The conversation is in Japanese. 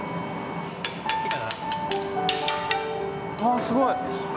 ああすごい！